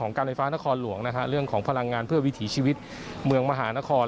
การไฟฟ้านครหลวงนะฮะเรื่องของพลังงานเพื่อวิถีชีวิตเมืองมหานคร